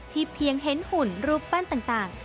เพียงเห็นหุ่นรูปปั้นต่าง